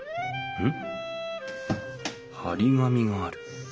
うん。